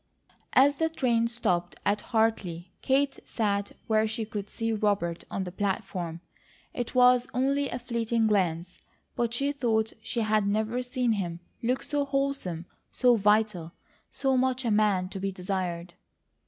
As the train stopped at Hartley, Kate sat where she could see Robert on the platform. It was only a fleeting glance, but she thought she had never seen him look so wholesome, so vital, so much a man to be desired.